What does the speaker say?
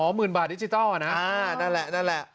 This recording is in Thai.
อ๋อหมื่นบาทดิจิทัลอ่ะน่ะอ่านั่นแหละนั่นแหละ